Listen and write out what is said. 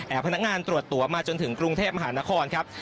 พนักงานตรวจตัวมาจนถึงกรุงเทพมหานครครับ